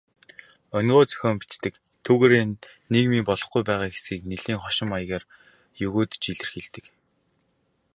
Онигоо зохиож бичдэг, түүгээрээ нийгмийн болохгүй байгаа хэсгийг нэлээн хошин маягаар егөөдөж илэрхийлдэг.